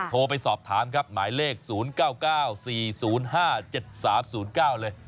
โทรไปสอบถามครับหมายเลขศูนย์เก้าเก้าสี่ศูนย์ห้าเจ็ดสามศูนย์เก้าเลย